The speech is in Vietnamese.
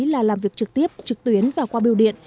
là làm việc trực tiếp trực tuyến và qua biêu điện